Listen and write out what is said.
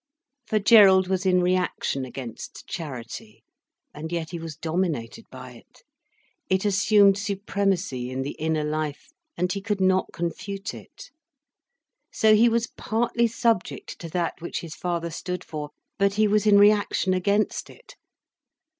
For Gerald was in reaction against Charity; and yet he was dominated by it, it assumed supremacy in the inner life, and he could not confute it. So he was partly subject to that which his father stood for, but he was in reaction against it.